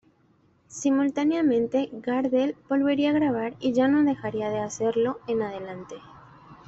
Simultáneamente Gardel volvería a grabar y ya no dejaría de hacerlo en adelante.